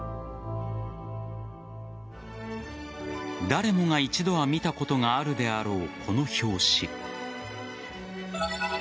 誰もが一度は見たことがあるであろうこの表紙。